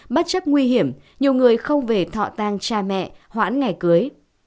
bất chấp nguy hiểm nhiều người không về thọ tang cha mẹ hoãn ngày cưới